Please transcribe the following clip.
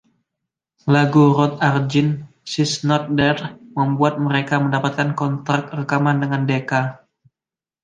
Lagu Rod Argent “She’s Not There” membuat mereka mendapatkan kontrak rekaman dengan Decca.